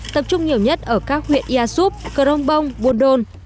tập trung nhiều nhất ở các huyện yà súp cờ rông bông buôn đôn